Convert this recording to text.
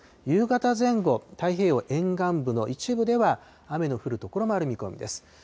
夕方前後、太平洋沿岸部の一部では、雨の降る所もある見込みです。